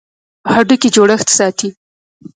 هډوکي جوړښت ساتي.